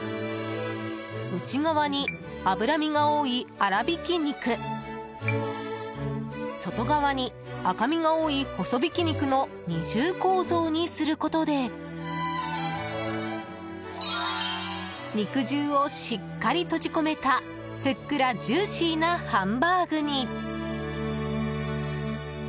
内側に脂身が多い粗びき肉外側に赤身が多い細びき肉の二重構造にすることで肉汁をしっかり閉じ込めたふっくらジューシーなハンバーグに。